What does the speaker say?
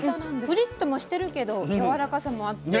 プリッともしてるけどやわらかさもあって。